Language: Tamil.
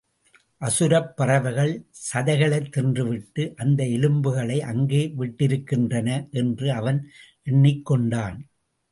அசுரப் பறவைகள் சதைகளைத் தின்றுவிட்டு அந்த எலும்புகளை அங்கே விட்டிருக்கின்றன என்று அவன் எண்ணிக் கொண்டான்.